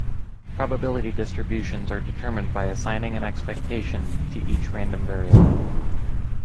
Probability distributions are determined by assigning an expectation to each random variable.